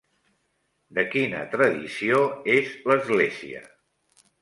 De quina tradició és l'església?